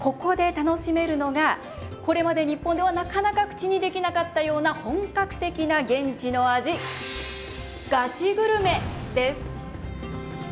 ここで楽しめるのがこれまで日本ではなかなか口にできなかったような本格的な現地の味「ガチグルメ」です。